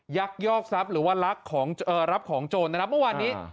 ยักยอกทรัพย์หรือว่าลักของรับของโจรนะครับเมื่อวานนี้